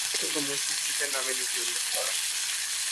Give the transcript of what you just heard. অন্যান্য লেখক ও মূল শিল্পীদের নাম নিচে উল্লেখ করা হলো।